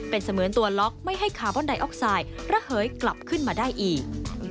เป็นเสมือนตัวล็อกไม่ให้คาร์บอนไดออกไซด์ระเหยกลับขึ้นมาได้อีก